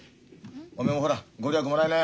おめえもほら御利益もらいなよ。